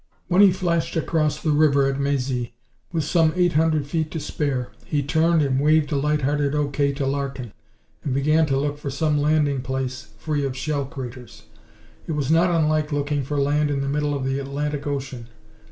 When he flashed across the river at Mezy, with some eight hundred feet to spare, he turned and waved a light hearted O.K. to Larkin, and began to look for some landing place free of shell craters. It was not unlike looking for land in the middle of the Atlantic Ocean.